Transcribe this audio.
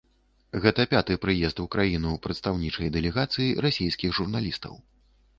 Гэта пяты прыезд у краіну прадстаўнічай дэлегацыі расейскіх журналістаў.